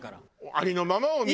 ありのままを見て。